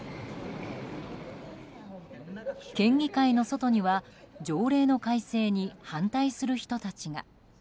県議会の外には条例の改正に反対する人たちが。